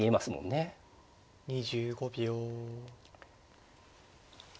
２５秒。